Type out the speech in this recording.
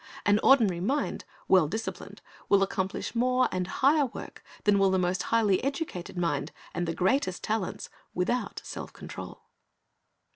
An ordinary mind, well disciplined, will accomplish more and higher work than will the most highly educated mind and the greatest talents without self control.